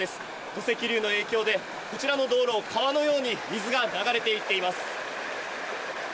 土石流の影響で、こちらの道路、川のように水が流れていっています。